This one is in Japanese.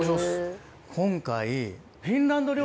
今回。